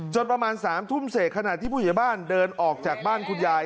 จนประมาณสามทุ่มเสดขนาดที่ผู้อย่างบ้านเดินออกจากบ้านคุณยาย